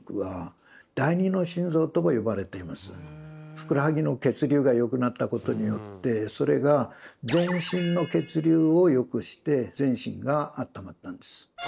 ふくらはぎの血流がよくなったことによってそれが全身の血流をよくして全身があったまったんです。